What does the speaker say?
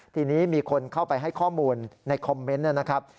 ทีนี้มีคนเข้าไปให้ข้อมูลในคอมเมนต์นะครับ